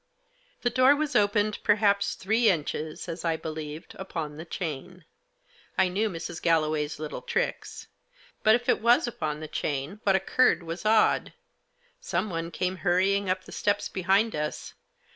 The door was opened perhaps three inches ; as I believed, upon the chain. I knew Mrs. Galloway's little tricks. But if it was upon the chain what occurred was odd. Someone came hurrying up the steps behind us.